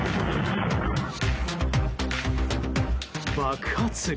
爆発。